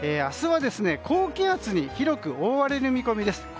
明日は高気圧に広く覆われる見込みです。